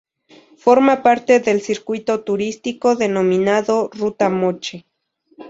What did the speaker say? Forma parte del circuito turístico denominado Ruta Moche.